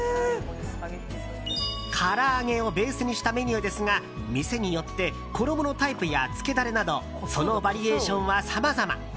から揚げをベースにしたメニューですが店によって衣のタイプや漬けダレなどそのバリエーションはさまざま。